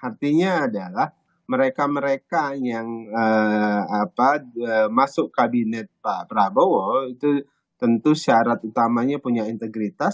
artinya adalah mereka mereka yang masuk kabinet pak prabowo itu tentu syarat utamanya punya integritas